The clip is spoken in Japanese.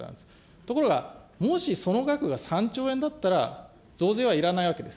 ところが、もしその額が３兆円だったら、増税はいらないわけです。